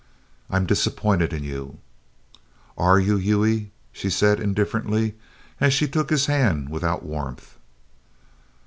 "I am disappointed in you!" "Are you, Hughie?" she said indifferently, as she took his hand without warmth.